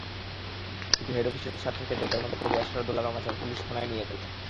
কিন্তু হেড অফিসের সাতজনকে—যাঁদের মধ্যে কবি আরশাদুল আলম আছেন—পুলিশ থানায় নিয়ে গেল।